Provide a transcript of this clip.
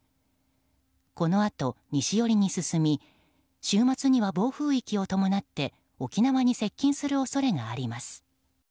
このあと西寄りに進み週末には暴風域を伴って沖縄に接近する恐れがあります。